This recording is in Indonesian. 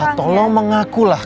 sah tolong mengakulah